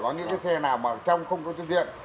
có những xe nào mà trong không có trên diện